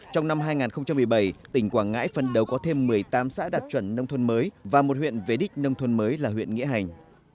trong năm hai nghìn một mươi bảy tỉnh quảng ngãi phân đấu có thêm một mươi tám xã đạt chuẩn nông thôn mới và một huyện về đích nông thôn mới là huyện nghĩa hành